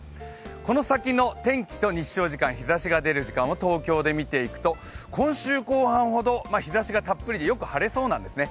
この先の天気と日照時間、日ざしが出る時間を東京で見ていくと今週後半ほど日ざしがたっぷりでよく晴れそうなんですね。